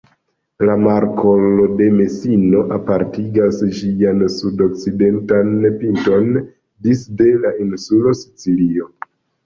La markolo de Mesino apartigas ĝian sud-okcidentan pinton disde la insulo Sicilio.